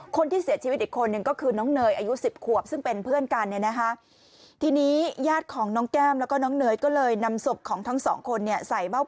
คนที่เสียชีวิตอีกคนหนึ่งก็คือน้องเนย